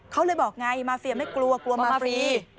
เขาเลยบอกไงมาเฟียไม่กลัวกลัวมาฟรี